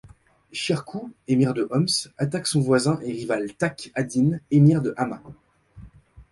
Shirkuh, émir de Homs, attaque son voisin et rival Taq ad-Din, émir de Hama.